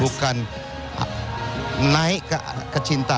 bukan naik ke cinta